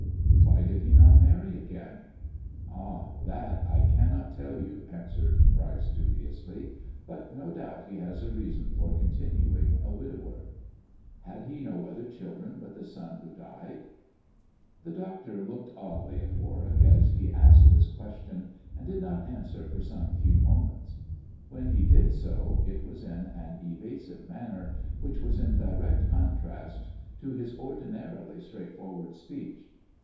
« Why did he not marry again 1 "" Ah, that I can't tell you !" answered Pryce dubiously ;" but no doubt he has a reason for continuing a widower." " Had he no other children but the son who died 1 " The doctor looked oddly at Warwick as he asked this question, and did not answer for some few moments. When he did so it was in an evasive manner, which was in direct contrast to his ordinarily straightforward speech.